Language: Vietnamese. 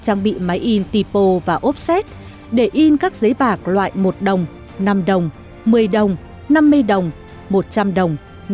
xây dựng bằng máy in tipo và offset để in các giấy bạc loại một đồng năm đồng một mươi đồng năm mươi đồng một trăm linh đồng